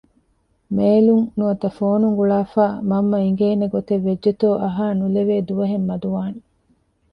މޭލުން ނުވަތަ ފޯނުން ގުޅާފައި މަންމަ އެނގޭނެ ގޮތެއް ވެއްޖެތޯ އަހައިނުލެވޭ ދުވަހެއް މަދުވާނެ